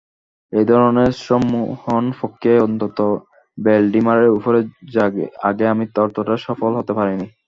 এই ধরনের সম্মোহন প্রক্রিয়ায় অন্তত ভ্যালডিমারের ওপরে আগে আমি ততটা সফল হতে পারিনি।